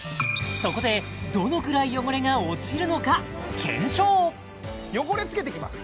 そこでどのくらい汚れが落ちるのか検証汚れつけていきます